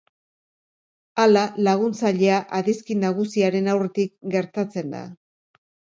Hala, laguntzailea adizki nagusiaren aurretik gertatzen da.